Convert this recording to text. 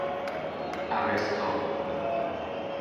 اَوستا